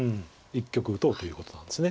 一局打とうということなんです。